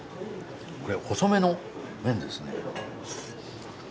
これは細めの麺ですね。